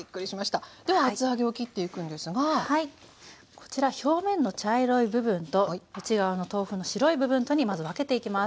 こちら表面の茶色い部分と内側の豆腐の白い部分とにまず分けていきます。